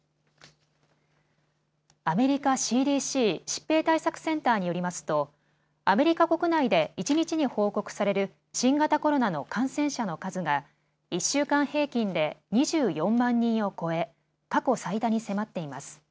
アメリカＣＤＣ・疾病対策センターによりますとアメリカ国内で一日に報告される新型コロナの感染者の数が１週間平均で２４万人を超え過去最多に迫っています。